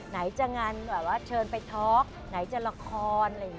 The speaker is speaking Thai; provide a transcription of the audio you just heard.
ไหนจะงานเชิญไปทอคไหนจะละคร